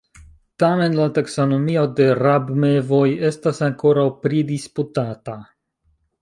Tamen la taksonomio de rabmevoj estas ankoraŭ pridisputata.